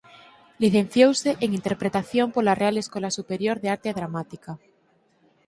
Licenciouse en Interpretación pola Real Escola Superior de Arte Dramática.